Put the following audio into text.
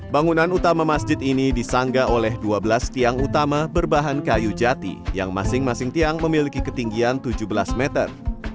bangunan utama masjid ini disanggah oleh dua belas tiang utama berbahan kayu jati yang masing masing tiang memiliki ketinggian tujuh belas meter